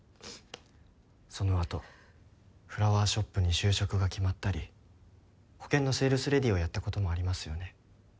その後フラワーショップに就職が決まったり保険のセールスレディーをやったこともありますよね。